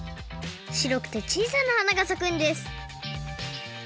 しろくてちいさなはながさくんです。